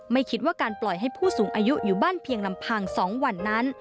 ไม่คิดว่าการปล่อยให้ผู้สูงอายุอยู่บ้านเพียงลำพัง๒วันนั้น